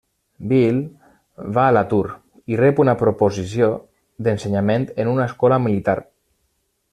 Bill va a l'atur, i rep una proposició d'ensenyament en una escola militar.